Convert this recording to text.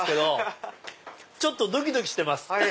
ちょっとドキドキしてます。